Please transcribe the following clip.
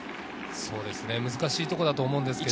難しいところだと思うんですけれど。